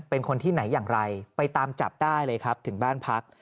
เป็นคนที่ไหนอย่างไรไปตามจับได้เลยครับถึงบ้านพัก